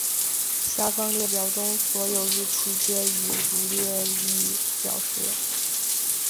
下方列表中所有日期皆以儒略历表示。